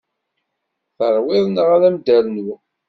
Teṛwiḍ neɣ ad m-d-rnuɣ?